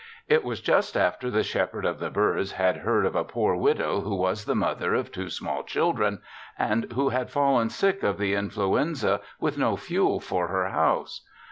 It was just after the Shepherd of the Birds had heard of a poor widow who was the mother of two small children and who had fallen sick of the influenza with no fuel in her house.